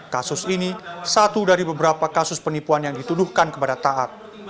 kasus ini satu dari beberapa kasus penipuan yang dituduhkan kepada taat